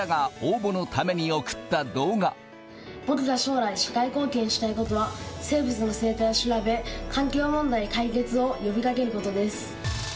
僕が将来、社会貢献したいことは、生物の生態を調べ、環境問題解決を呼びかけることです。